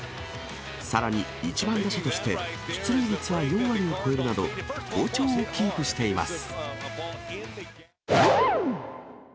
さらに、１番打者として出塁率は４割を超えるなど、好調をキープしています。